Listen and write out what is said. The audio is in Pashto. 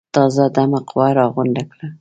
تازه دمه قوه راغونډه کړه.